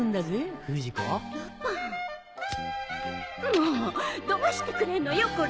もうどうしてくれんのよこれ。